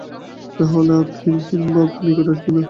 তা হলে আর হীন বুদ্ধি, হীন ভাব নিকটে আসবে না।